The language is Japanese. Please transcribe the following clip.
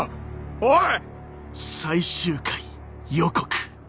おい！